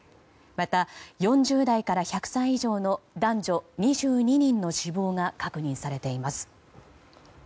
また、４０代から１００歳以上の男女２２人の死亡が確認されています。